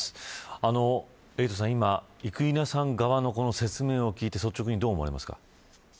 エイトさん、今生稲さん側のこの説明を聞いて率直にどう思われますか。